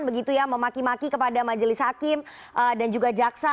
memaki maki kepada majelis hakim dan juga jaksa